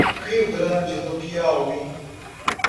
Rio Grande do Piauí